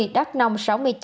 đắk nông sáu mươi chín